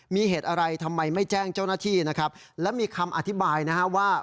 มีเหตุอะไรทำไมไม่แจ้งเจ้าหน้าที่นะครับและมีคำอธิบายนะฮะว่า